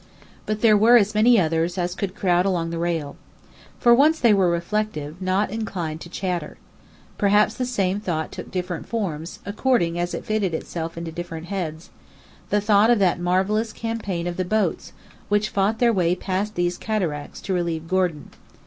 But there were as many others as could crowd along the rail. For once they were reflective, not inclined to chatter. Perhaps the same thought took different forms, according as it fitted itself into different heads; the thought of that marvellous campaign of the boats which fought their way past these cataracts to relieve Gordon.